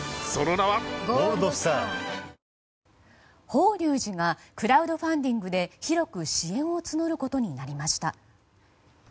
法隆寺がクラウドファンディングで広く支援を募ることになりました。